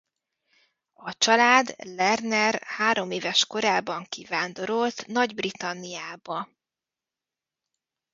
A család Lerner hároméves korában kivándorolt Nagy-Britanniába.